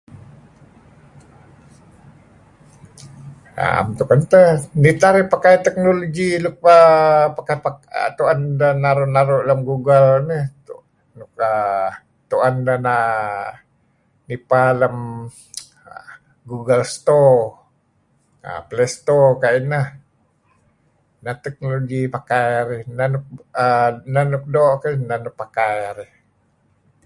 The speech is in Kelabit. A'em tun teh, nih teh arih pakai technology luk tu'en deh naru'-naru' lem google nih , tu'en deh err nipa lem google store, play store kayu' ineh, neh technology pakai arih, neh nuk doo' nah pakai arih.